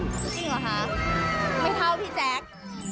จริงเหรอคะไม่เท่าพี่แจ๊ค